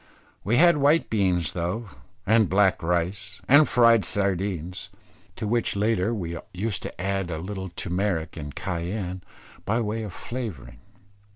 We had white beans though, and black rice and fried sardines, to which latter we used to add a little turmeric and cayenne by way of flavouring.